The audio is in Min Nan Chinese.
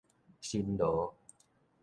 辛勞